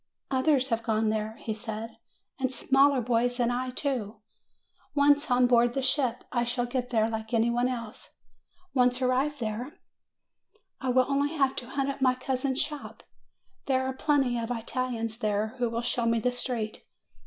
"Others have gone there," he said; "and smaller boys than I, too. Once on board the ship, I shall get there like anybody else. Once arrived there, I have only to hunt up our cousin's shop. There are plenty FROM APENNINES TO THE ANDES 257 of Italians there who will show me the street.